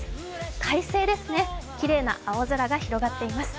快晴ですね、きれいな青空が広がっています。